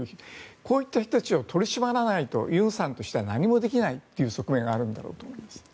こういった人たちを取り締まらないと尹さんとしては何もできないという側面があるんだろうと思います。